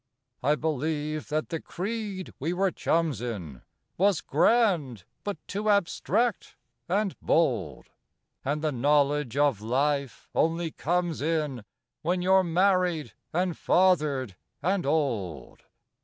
I believe that the creed we were chums in Was grand, but too abstract and bold, And the knowledge of life only comes in When you're married and fathered and old.